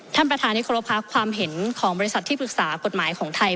ท่านประธานที่ครบค่ะความเห็นของบริษัทที่ปรึกษากฎหมายของไทย